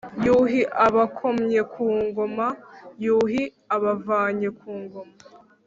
yuhi abakomye ku ngoma: yuhi abavanye ku ngoma